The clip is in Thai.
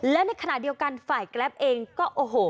และในขณะเดียวกันฝ่ายแกรปเองก็โอ้โห